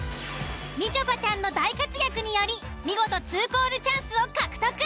みちょぱちゃんの大活躍により見事２コールチャンスを獲得。